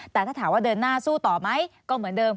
แต่ถ้าถามว่าเดินหน้าสู้ต่อไหมก็เหมือนเดิม